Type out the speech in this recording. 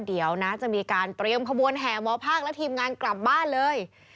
เดี๋ยวนะจะมีการเตรียมขบวนแห่หมอภาคและทีมงานกลับบ้านเลย